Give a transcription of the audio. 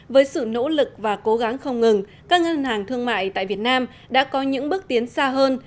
với sự nỗ lực và cố gắng không ngừng các ngân hàng thương mại tại việt nam đã có những bước tiến xa hơn